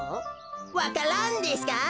わか蘭ですか？